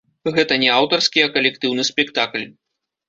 Гэта не аўтарскі, а калектыўны спектакль.